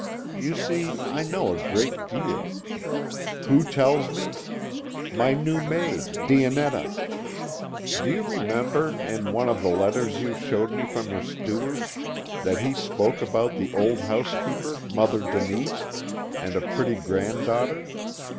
You see I know a great deal. Who tells me? My new maid Dionetta. Do you remember, in one of the letters you showed me from your steward, that he spoke about the old housekeeper, Mother Denise, and a pretty granddaughter?